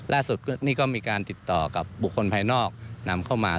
ล่าสุดนี่ก็มีการติดต่อกับบุคคลภายนอกนำเข้ามา